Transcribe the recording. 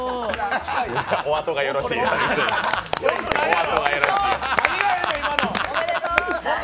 おあとがよろしいようで。